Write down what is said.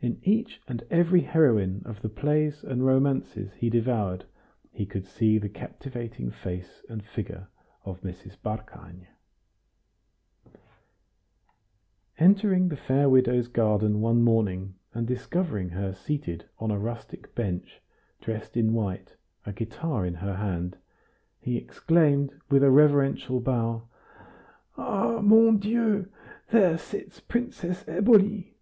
In each and every heroine of the plays and romances he devoured, he could see the captivating face and figure of Mrs. Barkany. Entering the fair widow's garden one morning, and discovering her seated on a rustic bench, dressed in white, a guitar in her hand, he exclaimed, with a reverential bow: "Ah, mon Dieu, there sits Princess Eboli!"